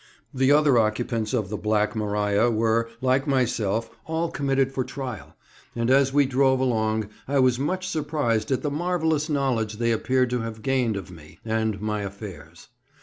The other occupants of the "Black Maria" were, like myself, all committed for trial; and as we drove along I was much surprised at the marvellous knowledge they appeared to have gained of me and my affairs.